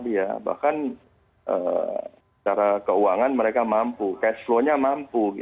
ya bahkan secara keuangan mereka mampu cash flow nya mampu